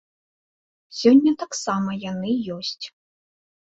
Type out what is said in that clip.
Сёння таксама яны ёсць.